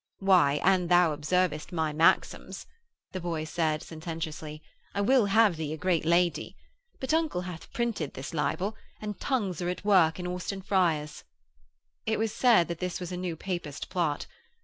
'Why, an thou observest my maxims,' the boy said, sententiously, 'I will have thee a great lady. But uncle hath printed this libel, and tongues are at work in Austin Friars.' It was said that this was a new Papist plot.